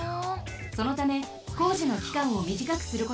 そのためこうじのきかんをみじかくすることができ